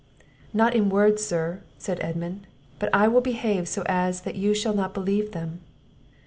"Not in words, Sir," said Edmund; "but I will behave so as that you shall not believe them."